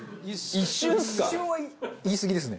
一瞬は言いすぎですね。